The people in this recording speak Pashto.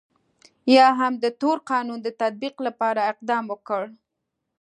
یا هم د تور قانون د تطبیق لپاره اقدام وکړ.